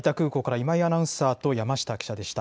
今井アナウンサーと山下記者でした。